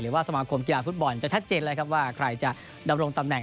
หรือว่าสมากรมกีฬาฟุตบอลจะชัดเจดนะครับว่าใครจะดำรงตำแหน่ง